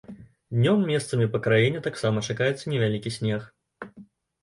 Днём месцамі па краіне таксама чакаецца невялікі снег.